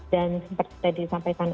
dan seperti yang disampaikan